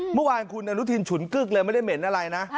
เมื่อวานคุณอนุทินฉุนกึ๊กเลยไม่ได้เหม็นอะไรนะ